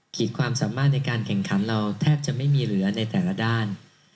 ความสามารถในการแข่งขันเราแทบจะไม่มีเหลือในแต่ละด้าน